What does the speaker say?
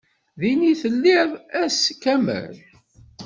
Din i telliḍ ass kamel?